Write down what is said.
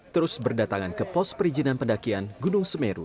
terus berdatangan ke pos perizinan pendakian gunung semeru